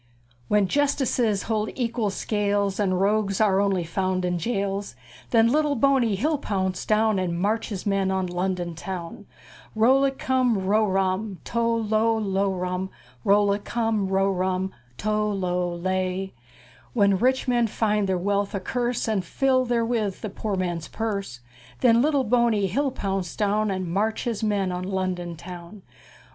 When jus' ti ces' hold e'qual scales', And rogues' are on' ly found' in jails'; Then lit'tle Bo' ney he'll pounce down', And march' his men' on Lon' don town'! Chorus. Rol' li cum ro' rum, tol' lol lo' rum, Rol' li cum ro' rum, tol' lol lay. When rich' men find' their wealth' a curse', And fill' there with' the poor' man's purse'; Then lit' tle Bo' ney he'll pounce down', And march' his men' on Lon' don town'!